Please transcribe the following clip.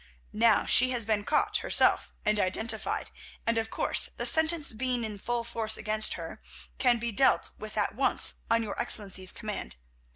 Now she has been caught herself and identified, and, of course, the sentence being in full force against her, can be dealt with at once on your Excellency's command.